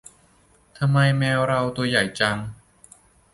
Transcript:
ทำไมแมวเราตัวใหญ่จัง